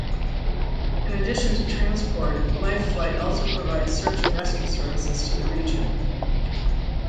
In addition to transport, Life Flight also provides search-and-rescue services to the region.